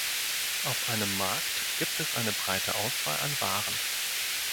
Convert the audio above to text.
Auf einem Markt gibt es eine breite Auswahl an Waren.